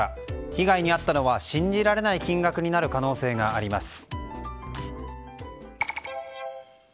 被害に遭ったのは、信じられない金額になる可能性があります。